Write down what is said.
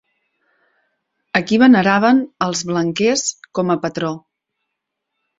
A qui veneraven els blanquers com a patró?